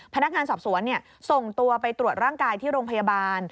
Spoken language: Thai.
พนักงานสอบสวนส่งตัวไปตรวจร่างกายที่โรงพยาบาล